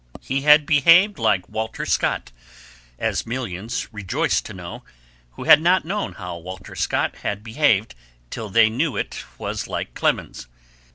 He had behaved like Walter Scott, as millions rejoiced to know, who had not known how Walter Scott had behaved till they knew it was like Clemens.